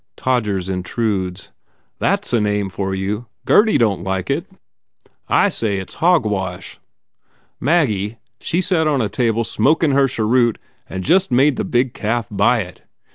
"Todgers Intrudes." "That s a name for you ! Gurdy don t like it. I say it s hogwash. Maggie, she set on a table smokin her cheroot and just made the big calf buy it.